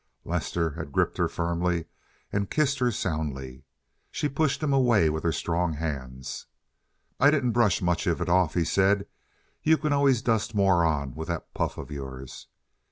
Lester had gripped her firmly and kissed her soundly. She pushed him away with her strong hands. "I didn't brush much of it off," he said. "You can always dust more on with that puff of yours."